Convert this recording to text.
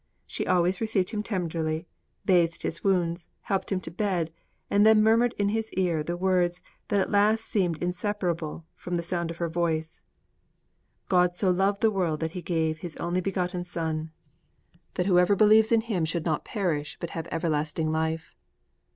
She always received him tenderly; bathed his wounds; helped him to bed; and then murmured in his ear the words that at last seemed inseparable from the sound of her voice: _God so loved the world that He gave His only begotten Son that whosoever believeth in Him should not perish but have everlasting life.